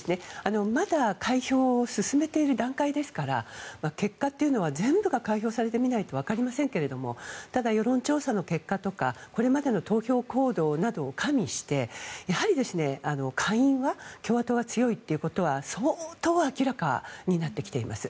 まだ開票を進めている段階ですから結果というのは全部が開票されてみないとわかりませんがただ世論調査の結果とかこれまでの投票行動を加味して下院は共和党が強いということは相当明らかになってきています。